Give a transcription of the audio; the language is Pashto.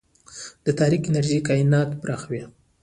د تاریک انرژي کائنات پراخوي.